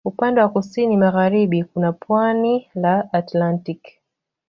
Upande wa kusini magharibi kuna pwani la Atlantiki.